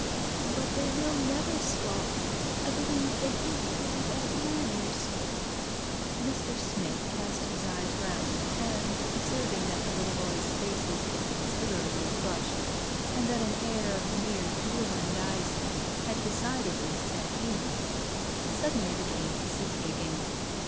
"But they will never stop. I believe they think it would be bad manners." Mr. Smith cast his eyes round, and, observing that the little boys' faces were considerably flushed, and that an air of mere gourmandising had decidedly set in, suddenly became ascetic again.